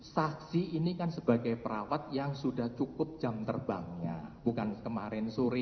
saksi ini kan sebagai perawat yang sudah cukup jam terbangnya bukan kemarin suri